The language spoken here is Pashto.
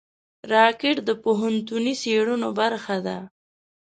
راکټ د پوهنتوني څېړنو برخه ده